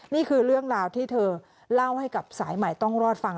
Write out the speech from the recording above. นี่คือเรื่องราวที่เธอเล่าให้กับสายใหม่ต้องรอดฟัง